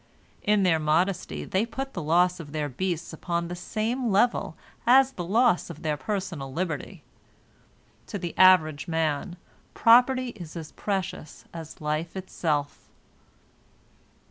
In their modesty they put the loss of their beasts upon the same level as the loss of their personal liberty. To the average man property is as precious as life itself.